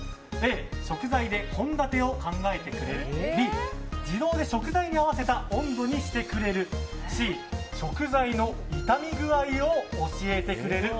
Ａ、食材で献立を考えてくれるＢ、自動で食材に合わせた温度にしてくれるＣ、食材の傷み具合を教えてくれる。